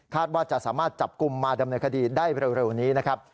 ว่าจะสามารถจับกลุ่มมาดำเนินคดีได้เร็วนี้นะครับ